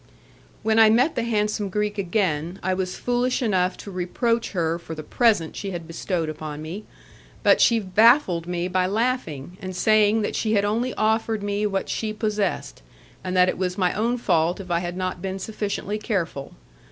When I met the handsome Greek again, I was foolish enough to reproach her for the present she had bestowed upon me, but she baffled me by laughing, and saying that she had only offered me what she possessed, and that it was my own fault if I had not been sufficiently careful.